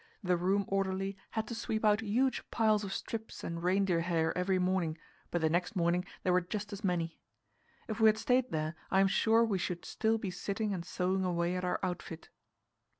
The room orderly had to sweep out huge piles of strips and reindeer hair every morning, but the next morning there were just as many. If we had stayed there, I am sure we should still be sitting and sewing away at our outfit.